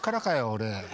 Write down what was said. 俺。